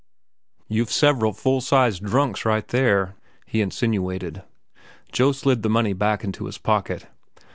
"You've several full sized drunks right there," he insinuated. Joe slid the money back into his pocket.